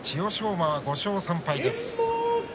馬は５勝３敗です。